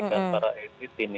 kan para edit ini